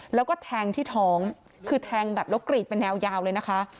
แล้วก็แทงที่ท้องคือแทงแบบแล้วกรีดเป็นแนวยาวเลยนะคะ